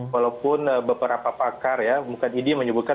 walaupun beberapa pakar ya bukan idi menyebutkan